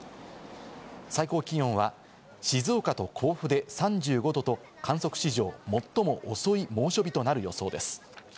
最高気温は静岡と甲府で３５度と、観測史上最も遅い猛暑日となる予想です。